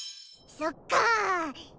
そっかー。